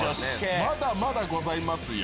まだまだございますよ。